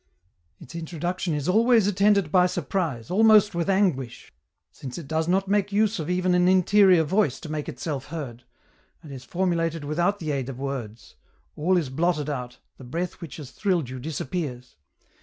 EN ROUTE. 131 " Its introduction is always attended by surprise, almost with anguish, since it does not make use of even an interior voice to make itself heard, and is formulated without the aid of words, all is blotted out, the breath which has thrilled you disappears.